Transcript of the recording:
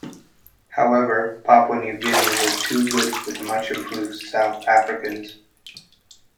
However Papua New Guinea were too good for the much improved South Africans.